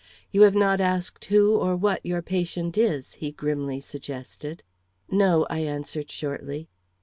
"You have not asked who or what your patient is," he grimly suggested. "No," I answered shortly.